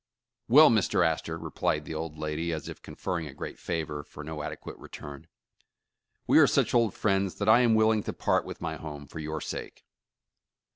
"Well, Mr. Astor," replied the old lady, as if con ferring a great favor for no adequate return, "we arc 266 Homes and Neighbors such old friends that I am willing to part with my home for your sake."